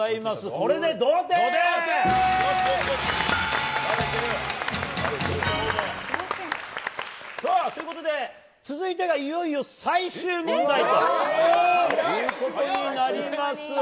これで同点！ということで、続いてがいよいよ最終問題ということになります。